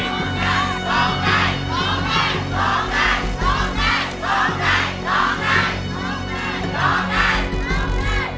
น้องแก้งน้องแก้งน้องแก้งน้องแก้ง